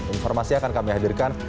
informasi akan kami hadirkan